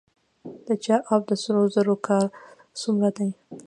د چاه اب د سرو زرو کان څومره دی؟